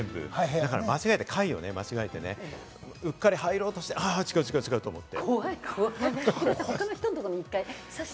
だから間違えて、階を間違えてね、うっかり入ろうとして、違う違うと思って。